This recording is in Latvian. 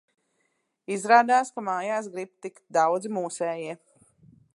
Izrādās, ka mājās grib tikt daudzi mūsējie.